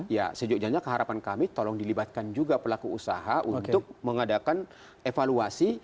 ya sejujurnya keharapan kami tolong dilibatkan juga pelaku usaha untuk mengadakan evaluasi